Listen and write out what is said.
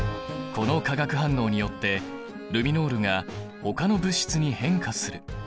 この化学反応によってルミノールがほかの物質に変化する。